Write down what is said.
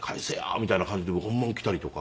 みたいな感じで本物来たりとか。